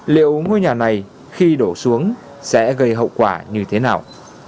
liệu ngôi nhà này khi đổ xuống sẽ gây hậu quả như thế nào